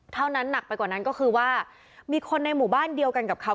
หนักไปกว่านั้นก็คือว่ามีคนในหมู่บ้านเดียวกันกับเขา